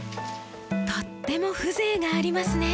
とっても風情がありますね。